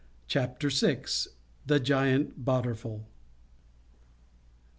CHAPTER VI. THE GIANT BADORFUL.